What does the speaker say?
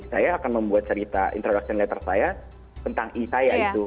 saya akan membuat cerita introduction letter saya tentang i saya itu